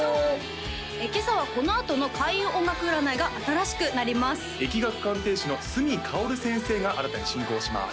今朝はこのあとの開運音楽占いが新しくなります易学鑑定士の角かおる先生が新たに進行します